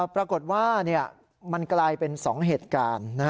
ปรากฏว่ามันกลายเป็น๒เหตุการณ์